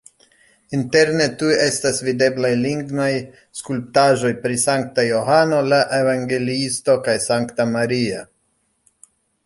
Interne tuj estas videblaj lignaj skulptaĵoj pri Sankta Johano la Evangeliisto kaj Sankta Maria.